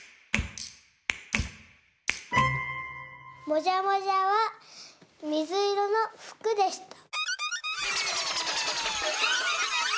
もじゃもじゃはみずいろのふくでした。